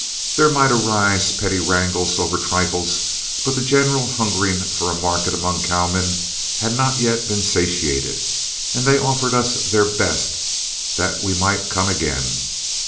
There might arise petty wrangles over trifles, but the general hungering for a market among cowmen had not yet been satiated, and they offered us their best that we might come again.